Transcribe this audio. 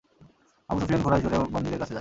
Abu Sufyan ঘোড়ায় চড়ে বন্দিদের কাছে যায়।